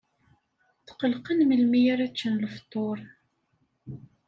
Tqellqen melmi ara ččen lefṭur.